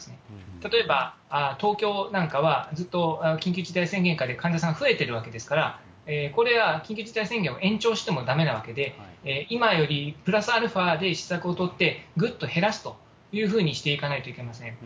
例えば東京なんかは、ずっと緊急事態宣言下で患者さん増えてるわけですから、これは、緊急事態宣言を延長してもだめなわけで、今よりプラスアルファで施策を取って、ぐっと減らすというふうにしていかないといけません。